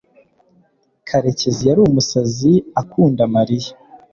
karekezi yari umusazi akunda mariya